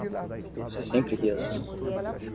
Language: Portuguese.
Você sempre ri assim?